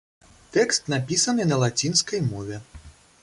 Тэкст напісаны на лацінскай мове.